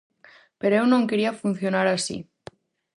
Pero eu non quería funcionar así.